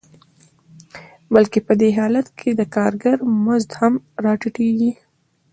بلکې په دې حالت کې د کارګر مزد هم راټیټېږي